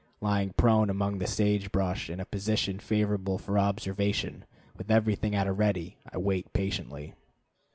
Lying prone among the sage brush, in a position favorable for observation, with everything at a ready, I wait patiently.